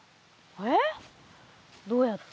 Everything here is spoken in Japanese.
えっどうやって？